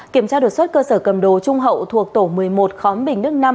kiểm tra đột xuất cơ sở cầm đồ trung hậu thuộc tổ một mươi một khóm bình đức năm